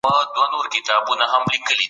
خلګو د خپلو کورونو ملکیت درلود.